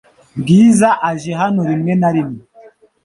Bwiza aje hano rimwe na rimwe .